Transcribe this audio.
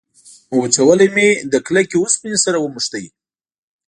وچولی مې له کلکې اوسپنې سره ونښت.